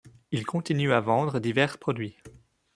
Ils continuent à vendre divers produits.